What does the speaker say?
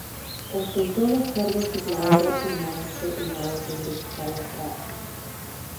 Ostentó los cargos de clavero y maestre en la Orden de Calatrava.